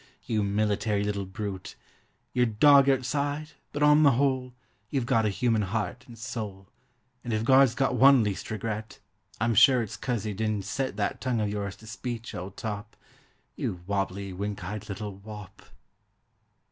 You military little brute, You're dog outside but on the whole You've got a human heart and soul And if God's got one least regret I'm sure it's cause he didn't set That tongue of yours to speech, old top— You wobbly, wink eyed little wop!